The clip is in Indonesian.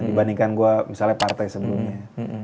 dibandingkan gue misalnya partai sebelumnya